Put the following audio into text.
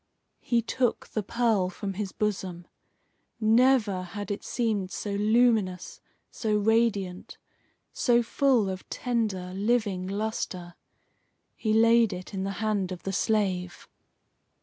He took the pearl from his bosom. Never had it seemed so luminous, so radiant, so full of tender, living lustre. He laid it in the hand of the slave.